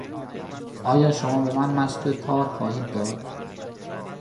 آیا شما بمن مشق تار خواهید داد